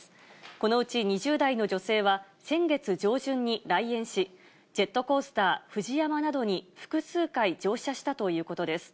このうち２０代の女性は、先月上旬に来園し、ジェットコースター、フジヤマなどに複数回乗車したということです。